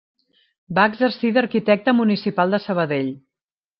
Va exercir d'arquitecte municipal de Sabadell.